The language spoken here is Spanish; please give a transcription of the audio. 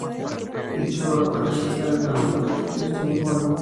Dicha obra fue registrada en un álbum que se editó ese mismo año.